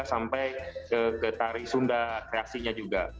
sampai ke tari sunda kreasinya juga